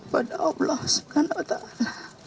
berdoa allah sekanat allah